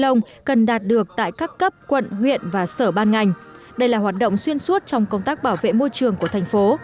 đồng cần đạt được tại các cấp quận huyện và sở ban ngành đây là hoạt động xuyên suốt trong công tác bảo vệ môi trường của thành phố